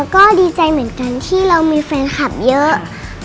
ก็ดีใจเหมือนกันที่เรามีแฟนคลับเยอะ